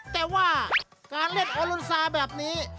แต่ว่าการเล่นออรุณซาแบบนี้